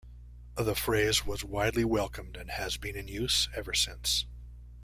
The phrase was widely welcomed and has been in use ever since.